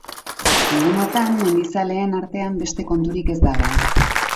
Egunotan mendizaleen artean beste konturik ez dago.